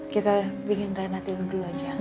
kita bikin rena tidur dulu aja